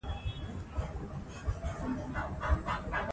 مبتداء درې ډولونه لري.